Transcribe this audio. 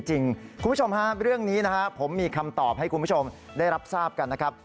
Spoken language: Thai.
คุณผู้ชมฮะเรื่องนี้นะครับผมมีคำตอบให้คุณผู้ชมได้รับทราบกันนะครับ